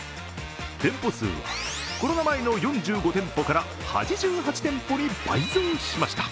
店舗数は、コロナ前の４５店舗から８８店舗に倍増しました。